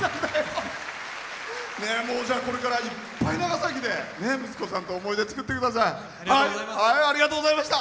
これから、いっぱい長崎で息子さんと思い出を作ってください。